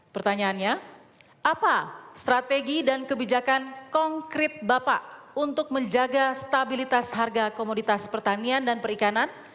pertanyaannya apa strategi dan kebijakan konkret bapak untuk menjaga stabilitas harga komoditas pertanian dan perikanan